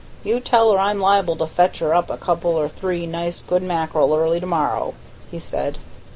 You tell her I'm liable to fetch her up a couple or three nice good mackerel early tomorrow," he said.